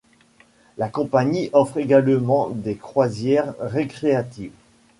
La compagnie offre également des croisières récréatives.